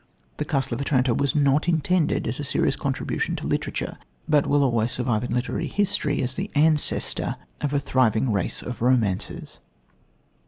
The Castle of Otranto was not intended as a serious contribution to literature, but will always survive in literary history as the ancestor of a thriving race of romances.